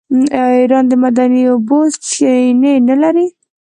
آیا ایران د معدني اوبو چینې نلري؟